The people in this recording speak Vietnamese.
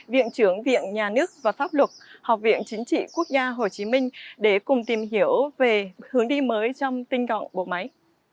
viện trưởng viện nhà nước và pháp luật học viện chính trị quốc gia hồ chí minh để cùng tìm hiểu về hướng đi mới trong tinh gọn bộ máy